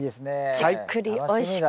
じっくりおいしく。